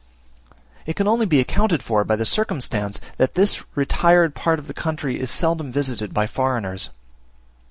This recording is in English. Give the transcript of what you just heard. It can only be accounted for by the circumstance that this retired part of the country is seldom visited by foreigners.